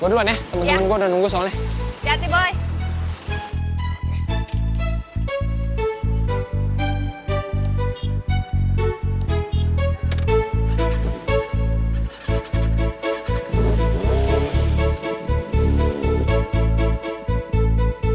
gue duluan ya temen temen gue udah nunggu soalnya